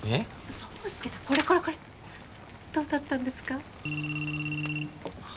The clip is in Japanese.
爽介さんこれこれこれどうだったんですか？